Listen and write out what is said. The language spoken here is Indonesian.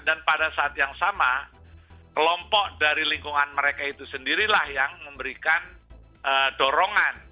dan pada saat yang sama kelompok dari lingkungan mereka itu sendirilah yang memberikan dorongan